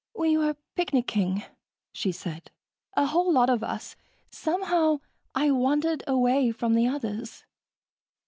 "We were picnicking," she said. "A whole lot of us. Somehow, I wandered away from the others...."